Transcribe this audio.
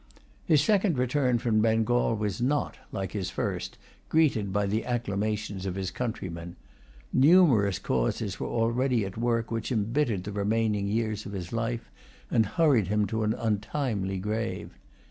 His second return from Bengal was not, like his first, greeted by the acclamations of his countrymen. Numerous causes were already at work which embittered the remaining years of his life, and hurried him to an untimely grave.